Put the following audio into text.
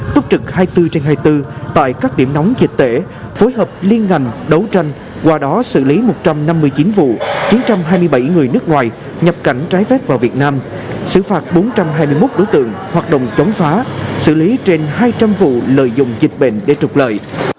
túc trực hai mươi bốn trên hai mươi bốn tại các điểm nóng dịch tễ phối hợp liên ngành đấu tranh qua đó xử lý một trăm năm mươi chín vụ chín trăm hai mươi bảy người nước ngoài nhập cảnh trái phép vào việt nam xử phạt bốn trăm hai mươi một đối tượng hoạt động chống phá xử lý trên hai trăm linh vụ lợi dụng dịch bệnh để trục lợi